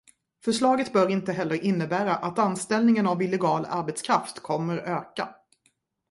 Förslaget bör inte heller innebära att anställningen av illegal arbetskraft kommer öka.